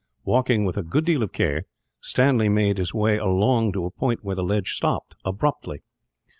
Walking with a good deal of care, Stanley made his way along to a point where the ledge stopped, abruptly.